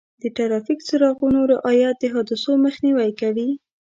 د ټرافیک څراغونو رعایت د حادثو مخنیوی کوي.